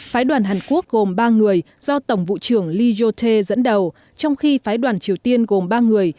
phái đoàn hàn quốc gồm ba người do tổng vụ trưởng lee jothé dẫn đầu trong khi phái đoàn triều tiên gồm ba người